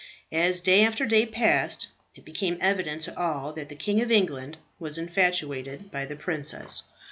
As day after day passed, it became evident to all that the King of England was infatuated by the princess.